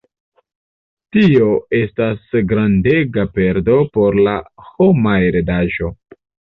Tio estas grandega perdo por la homa heredaĵo.